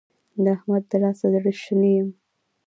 د احمد له لاسه زړه شنی يم.